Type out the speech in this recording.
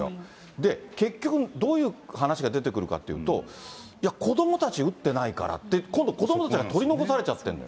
で、結局、どういう話が出てくるかっていうと、いや子どもたち、打ってないからって、今度、子どもたちが取り残されちゃってるの。